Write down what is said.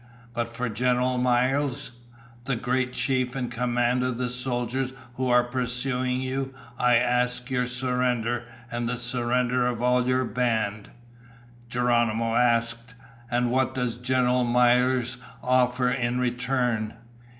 But for General Miles, the great chief in command of the soldiers who are pursuing you, I ask your surrender and the surrender of all your band." Geronimo asked, "And what does General Miles offer in return?"